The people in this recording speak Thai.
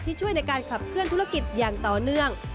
ช่วยในการขับเคลื่อนธุรกิจอย่างต่อเนื่อง